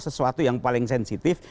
sesuatu yang paling sensitif